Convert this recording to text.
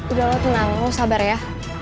udah lo tenang lo sabar ya